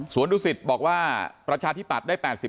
ส่วนดุสิตบอกว่าประชาธิปัตย์ได้๘๐